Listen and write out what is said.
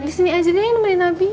disini aja deh yang nemenin abi